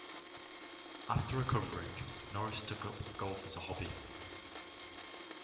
After recovering, Norris took up golf as a hobby.